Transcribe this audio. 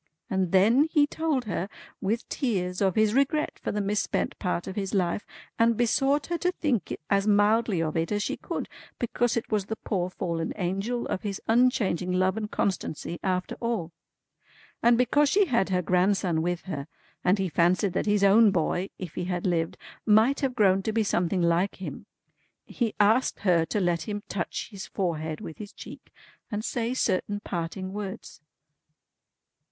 And then he told her, with tears, of his regret for the misspent part of his life, and besought her to think as mildly of it as she could, because it was the poor fallen Angel of his unchanging Love and Constancy after all. And because she had her grandson with her, and he fancied that his own boy, if he had lived, might have grown to be something like him, he asked her to let him touch his forehead with his cheek and say certain parting words."